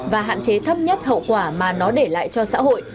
và hạn chế thấp nhất hậu quả mà nó để lại cho xã hội